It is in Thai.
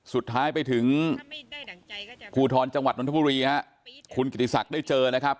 สุดท้ายไปถึงภูทรจังหวัดนทบุรีฮะคุณกิติศักดิ์ได้เจอนะครับ